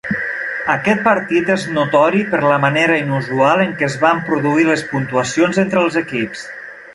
Aquest partit és notori per la manera inusual en què es van produir les puntuacions entre els equips.